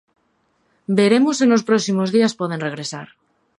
Veremos se nos próximos días poden regresar.